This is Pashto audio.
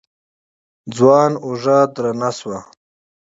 ځوان اوږه درنه شوه.